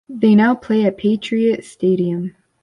They now play at Patriot Stadium.